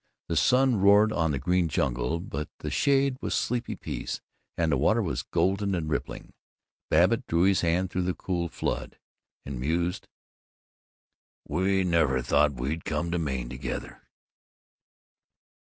The sun roared on the green jungle but in the shade was sleepy peace, and the water was golden and rippling. Babbitt drew his hand through the cool flood, and mused: "We never thought we'd come to Maine together!"